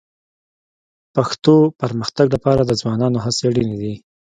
پښتو پرمختګ لپاره د ځوانانو هڅې اړیني دي